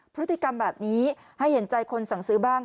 พฤติกรรมแบบนี้ให้เห็นใจคนสั่งซื้อบ้าง